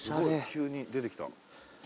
急に出てきた。